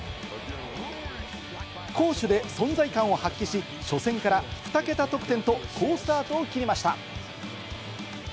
攻守で存在感を発揮し、初戦から２桁得点と好スタートを切りました。